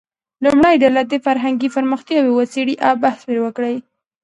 لومړۍ ډله دې فرهنګي پرمختیاوې وڅېړي او بحث پرې وکړي.